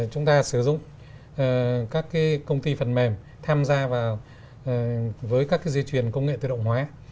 chúng ta sử dụng các cái công ty phần mềm tham gia vào với các cái dây chuyền công nghệ tự động hóa